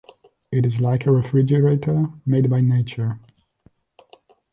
It is like a refrigerator made by the nature.